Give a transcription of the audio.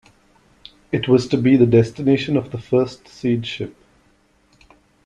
It was to be the destination of the first seed ship.